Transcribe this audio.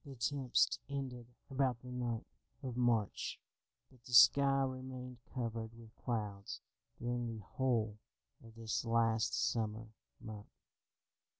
The tempest ended about the 9th of March, but the sky remained covered with clouds during the whole of this last summer month.